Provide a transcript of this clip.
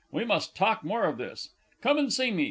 We must talk more of this. Come and see me.